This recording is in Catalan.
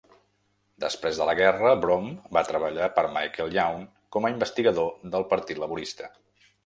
Després de la guerra, Brome va treballar per Michael Young com a investigador del Partit Laborista.